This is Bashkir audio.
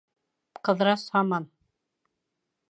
Ҡыҙырас һаман: